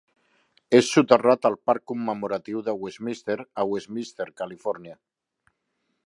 És soterrat al parc commemoratiu de Westminster a Westminster, Califòrnia.